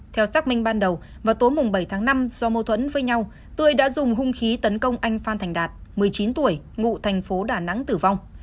theo xác minh ban đầu vào tối bảy tháng năm do mâu thuẫn với nhau tươi đã dùng hung khí tấn công anh phan thành đạt một mươi chín tuổi ngụ thành phố đà nẵng tử vong